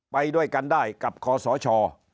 ไปด้วยกันได้กับคอสช